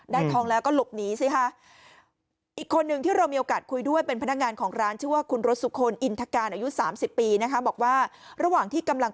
ทองแล้วก็หลบหนีสิค่ะ